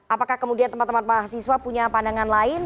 apakah kemudian teman teman mahasiswa punya pandangan lain